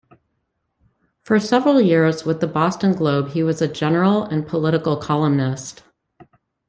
For several years with "The Boston Globe", he was a general and political columnist.